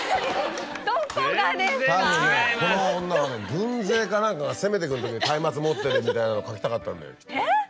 軍勢か何かが攻めてくるとき松明持ってるみたいなのを描きたかったんだよきっと。